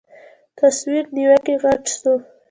تصوير نوکى غټ سو.